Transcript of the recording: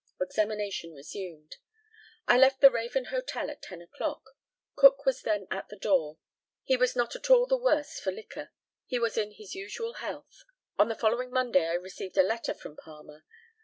Examination resumed: I left the Raven Hotel at ten o'clock. Cook was then at the door. He was not at all the worse for liquor. He was in his usual health. On the following Monday I received a letter from Palmer.